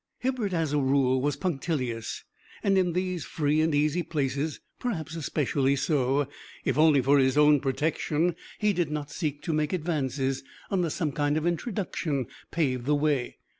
Hibbert, as a rule, was punctilious, and in these free and easy places, perhaps, especially so. If only for his own protection he did not seek to make advances unless some kind of introduction paved the way.